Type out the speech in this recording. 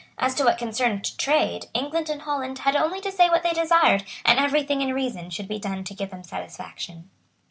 As to what concerned trade, England and Holland had only to say what they desired, and every thing in reason should be done to give them satisfaction.